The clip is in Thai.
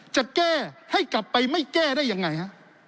จะแก้ให้กลับไปไม่แก้ได้ยังไงฮะ